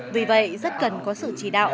vì vậy rất cần có sự chỉ đạo